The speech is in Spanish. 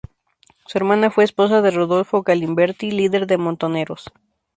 Su hermana fue esposa de Rodolfo Galimberti, líder de Montoneros.